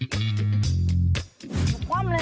หมุกก้มเลยนะค่ะ